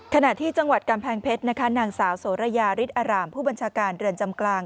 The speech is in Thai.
ขณะที่จังหวัดกำแพงเพชรนะคะนางสาวโสระยาฤทธิอารามผู้บัญชาการเรือนจำกลาง